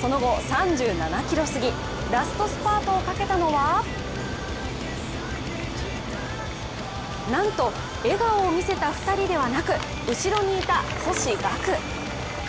その後３７ｋｍすぎ、ラストスパートをかけたのはなんと笑顔を見せた２人ではなく後ろにいた星岳。